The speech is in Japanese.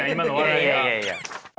いやいやいや。